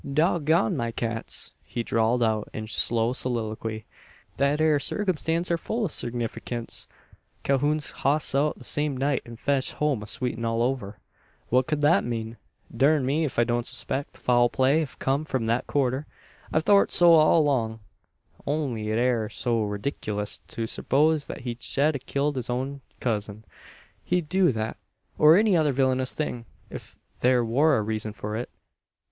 "Dog gone my cats!" he drawled out in slow soliloquy. "Thet ere sarkimstance are full o' signiferkince. Calhoun's hoss out the same night, an fetched home a' sweetin' all over. What ked that mean? Durn me, ef I don't surspect the foul play hev kum from that quarter. I've thort so all along; only it air so ridiklous to serpose thet he shed a killed his own cousin. He'd do that, or any other villinous thing, ef there war a reezun for it.